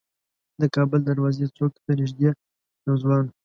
د کابل دروازې څوک ته نیژدې یو ځوان و.